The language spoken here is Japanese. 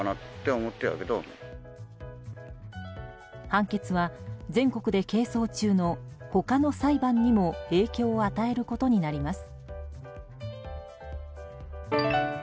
判決は、全国で係争中の他の裁判にも影響を与えることになります。